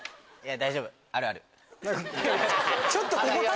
大丈夫。